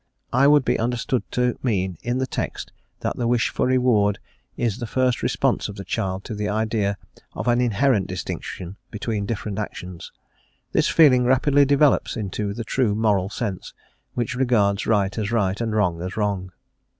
I would be understood to mean, in the text, that the wish for reward is the first response of the child to the idea of an inherent distinction between different actions; this feeling rapidly developes into the true moral sense, which regards right as right, and wrong as wrong.